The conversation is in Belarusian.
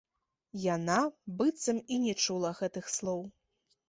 Яна быццам і не чула гэтых слоў.